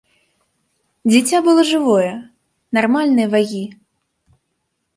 Дзіця было жывое, нармальнай вагі.